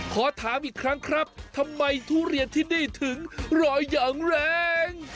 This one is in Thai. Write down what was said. ขอถามอีกครั้งครับทำไมทุเรียนที่นี่ถึงรอยอย่างแรง